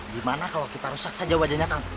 gimana kalau kita rusak saja wajahnya kang